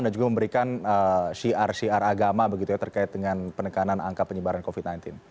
dan juga memberikan syiar syiar agama begitu ya terkait dengan penekanan angka penyebaran covid sembilan belas